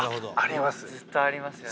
ずっとありますよね。